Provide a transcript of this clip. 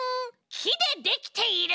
きでできている。